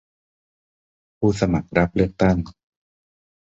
ผู้สมัครรับเลือกตั้ง